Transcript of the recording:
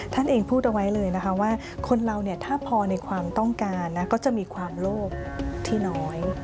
ท่านเองพูดเอาไว้เลยนะคะว่าคนเราเนี่ยถ้าพอในความต้องการนะก็จะมีความโลภที่น้อย